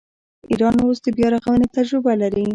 ایران اوس د بیارغونې تجربه لري.